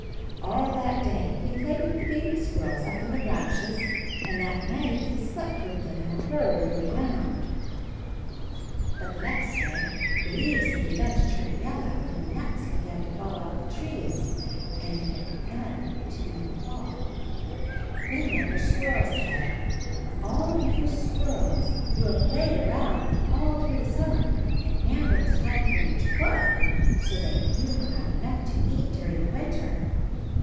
All that day he played with the baby squirrels iip in the branches and that night he slept with them in a hole in the ground. 20 CHARLIE But the next day the leaves had begun to turn yellow, and the nuts began to fall off the trees, and it had begun to be fall. Then Mother Squirrel said, "All you squirrels, you have played around all through the sum mer and now it is time for you to work, so that you will have enough to eat during the winter."